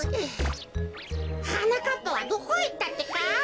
はなかっぱはどこいったってか。